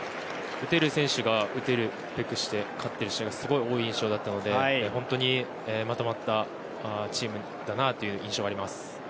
打てる選手が打つべくして勝っている試合がすごい多い印象だったので本当にまとまったチームだなという印象があります。